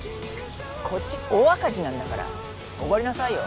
こっち大赤字なんだからおごりなさいよ。